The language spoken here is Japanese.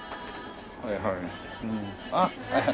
はいはい。